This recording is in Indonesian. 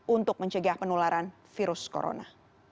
untuk mencegah penularan virus corona